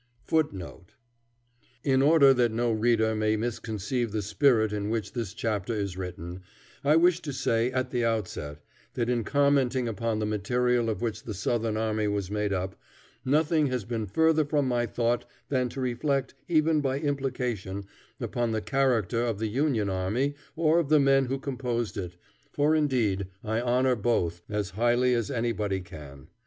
FOOTNOTE: In order that no reader may misconceive the spirit in which this chapter is written, I wish to say, at the outset, that in commenting upon the material of which the Southern army was made up, nothing has been further from my thought than to reflect, even by implication, upon the character of the Union army or of the men who composed it, for indeed I honor both as highly as anybody can.